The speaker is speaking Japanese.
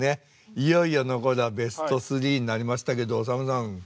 いよいよ残るはベスト３になりましたけどおさむさん？